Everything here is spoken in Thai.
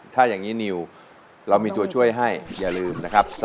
ถ้าอย่างนี้นิวเรามีตัวช่วยให้อย่าลืมนะครับ